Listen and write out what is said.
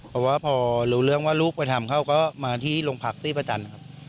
เพราะว่าพอรู้ว่าลูกมาทำเค้าก็มาที่หลงผลักษรศรีพระจันทร์ครับ